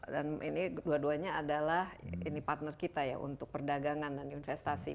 dan ini dua duanya adalah partner kita untuk perdagangan dan investasi